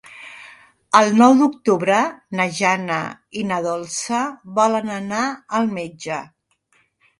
El nou d'octubre na Jana i na Dolça volen anar al metge.